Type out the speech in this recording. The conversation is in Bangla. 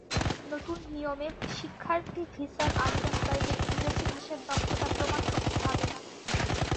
নতুন নিয়মে শিক্ষার্থী ভিসার আবেদনকারীদের ইংরেজি ভাষার দক্ষতা প্রমাণ করতে হবে না।